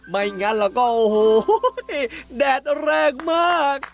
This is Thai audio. ไม่งั้นแล้วก็โอ้โหแดดแรงมาก